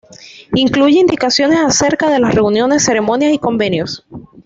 Incluye indicaciones acerca de las reuniones, ceremonias y convenios.